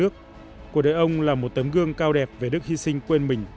cuộc đời ông là một tấm gương cao đẹp về đức hy sinh quên mình